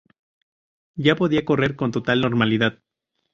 Ya podía correr con total normalidad.